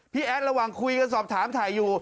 แอดระหว่างคุยกันสอบถามถ่ายอยู่